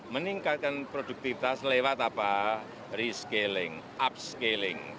meningkatkan produktivitas lewat apa rescaling upscaling